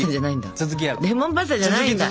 レモンパスタじゃないんだ！